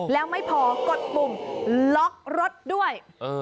แล้วไม่พอกดปุ่มล็อกรถด้วย